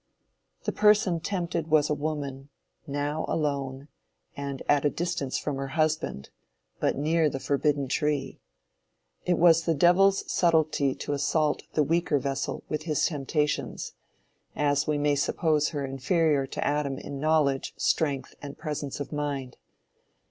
The person tempted was a woman, now alone, and at a distance from her husband, but near the forbidden tree. It was the devil's subtlety to assault the weaker vessel with his temptations, as we may suppose her inferior to Adam in knowledge, strength and presence of mind.